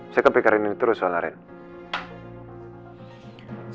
saya kepikir ini terus soal rigi